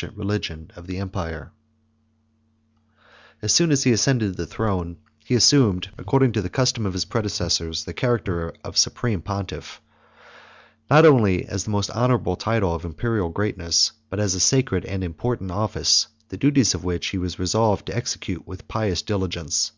] As soon as he ascended the throne, he assumed, according to the custom of his predecessors, the character of supreme pontiff; not only as the most honorable title of Imperial greatness, but as a sacred and important office; the duties of which he was resolved to execute with pious diligence.